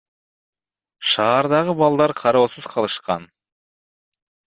Шаардагы балдар кароосуз калышкан.